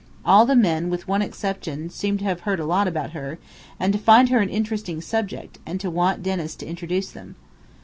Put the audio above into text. All the men with one exception seemed to have heard a lot about her and to find her an interesting subject, and to want Dennis to introduce them."